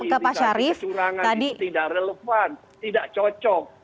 indikasi kecurangan itu tidak relevan tidak cocok